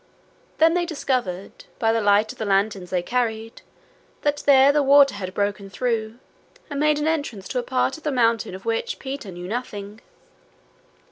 Then they discovered, by the light of the lanterns they carried, that there the water had broken through, and made an entrance to a part of the mountain of which Peter knew nothing.